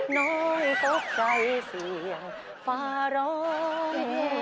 น้อยตกใจเสียงฟ้าร้อง